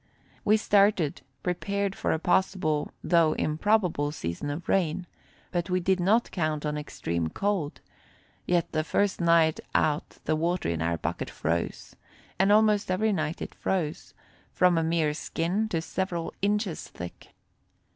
We started, prepared for a possible, though improbable, season of rain; but we did not count on extreme cold, yet the first night out the water in our bucket froze, and almost every night it froze from a mere skin to several inches thick.